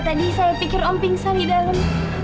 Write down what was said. tadi saya pikir om pingsan di dalam